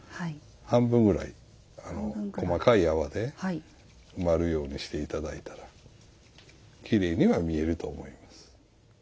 半分ぐらい細かい泡で回るようにして頂いたらきれいには見えると思います。